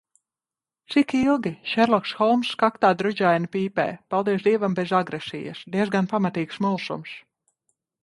Cik ilgi? Šerloks Holmss kaktā drudžaini pīpē. Paldies Dievam, bez agresijas. Diezgan pamatīgs mulsums.